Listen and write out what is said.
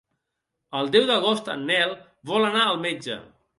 El deu d'agost en Nel vol anar al metge.